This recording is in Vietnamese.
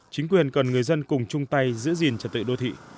chính quyền cần người dân cùng chung tay giữ gìn trật tự đô thị